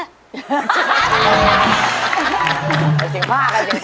อันสิงภาค